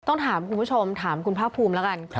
ต้องถามคุณผู้ชมถามคุณภาคภูมิแล้วกัน